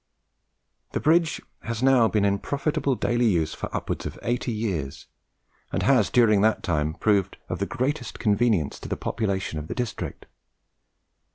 The bridge has now been in profitable daily use for upwards of eighty years, and has during that time proved of the greatest convenience to the population of the district.